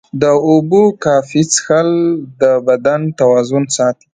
د اوبو کافي څښل د بدن توازن ساتي.